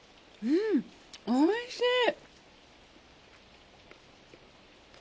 うんおいしい！